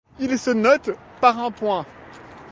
Il se note par un point.